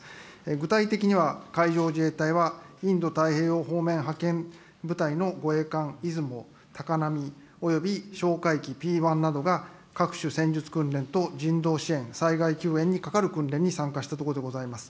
具体的には、海上自衛隊はインド太平洋方面派遣部隊の護衛艦いずも、たかなみ、および哨戒機Ｐ１などが各種戦術訓練と、人道支援、災害救援にかかる訓練に参加したところでございます。